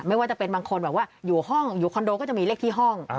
ไม่ว่าจะเป็นบางคนแบบว่าอยู่ห้องอยู่คอนโดก็จะมีเลขที่ห้อง